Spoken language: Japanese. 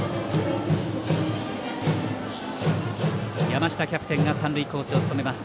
山下キャプテンが三塁コーチを務めます。